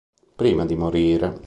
Prima di morire.